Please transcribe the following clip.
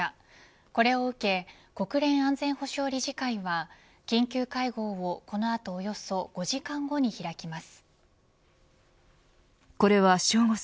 これを受け国連安全保障理事会は緊急会合をこの後およそ５時間後に開きます。